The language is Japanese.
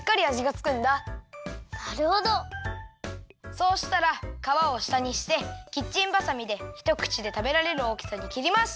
そうしたらかわをしたにしてキッチンばさみでひとくちでたべられるおおきさにきります。